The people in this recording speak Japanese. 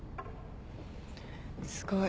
すごい。